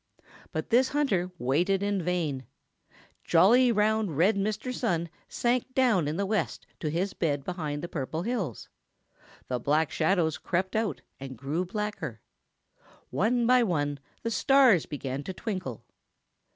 But this hunter waited in vain. Jolly, round, red Mr. Sun sank down in the west to his bed behind the Purple Hills. The Black Shadows crept out and grew blacker. One by one the stars began to twinkle.